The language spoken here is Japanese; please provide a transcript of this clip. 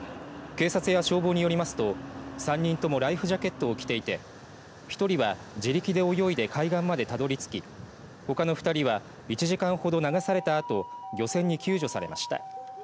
警察や消防によりますと３人ともライフジャケットを着ていて１人は自力で泳いで海岸までたどり着きほかの２人は１時間ほど流されたあと漁船に救助されました。